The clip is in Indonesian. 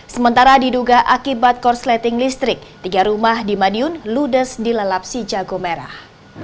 sementara diduga akibat korsleting listrik tiga rumah dimadun ludes dilalapsi jago merah